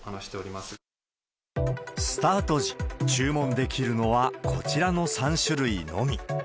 スタート時、注文できるのはこちらの３種類のみ。